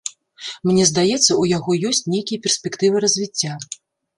Мне здаецца, у яго ёсць нейкія перспектывы развіцця.